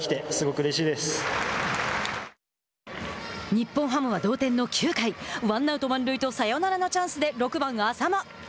日本ハムは同点の９回ワンアウト、満塁とサヨナラのチャンスで６番浅間。